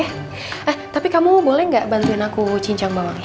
eh tapi kamu boleh nggak bantuin aku cincang bawang